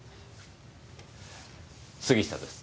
杉下です。